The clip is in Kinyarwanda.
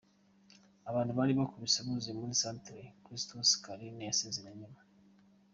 Abantu bari bakubise buzuye muri Centre Christus Carine yasezeraniyemo.